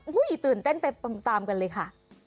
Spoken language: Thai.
ผู้หญิงตื่นเต้นไปตามกันเลยค่ะ